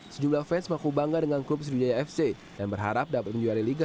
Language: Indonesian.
sejumlah fans maku bangga dengan klub sriwijaya fc dan berharap dapat menjuari liga satu dua ribu delapan belas